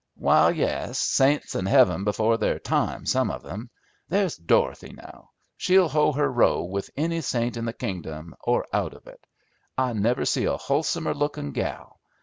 "Wal, yes. Saints in heaven before their time, some of 'em. There's Dorothy, now. She'll hoe her row with any saint in the kingdom or out of it. I never see a hulsomer lookin' gal.